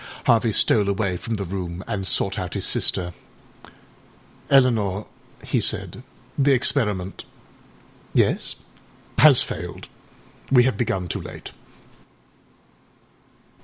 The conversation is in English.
ââ Harvey stole away from the room, and sought out his sister. âEleanor,â he said, âthe experimentââ âYes?â âHas failed. We have begun too late.